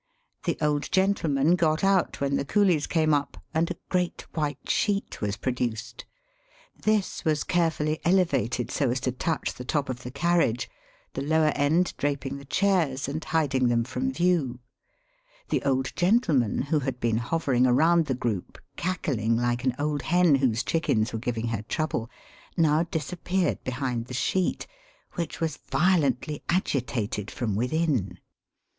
The old gentleman got out when the coolies came up, and a great white sheet was produced. This was carefully elevated so as to touch the top of the carriage, the lower end draping the chairs and hiding Digitized by VjOOQIC L ' liy^ JL" Jg^u y f ■?"' rL qygr ^=^r *=g;:^^^:^^^^^^ ^^ DELHI. 293 them from view. The old gentleman, who had been hovering around the group cackling like an old hen whose chickens were giving her trouble, now disappeared behind the sheet, which was violently agitated from within.